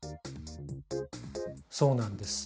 そうなんです。